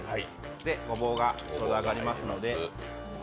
ごぼうがちょうど揚がりますので。